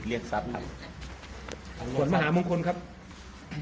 นะครับเดี๋ยวให้จะช่วยหน้าขี้ที่จะจุดไม่ค่อย